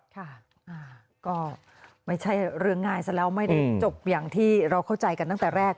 ค่ะก็ไม่ใช่เรื่องง่ายซะแล้วไม่ได้จบอย่างที่เราเข้าใจกันตั้งแต่แรก